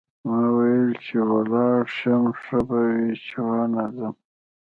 ما وویل چې ولاړ شم ښه به وي چې ونه ځم.